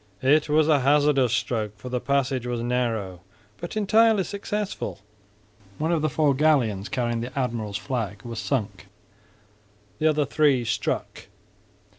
It was a hazardous stroke, for the passage was narrow, but entirely successful. One of the four galleons, carrying the admiral's flag, was sunk, the other three struck.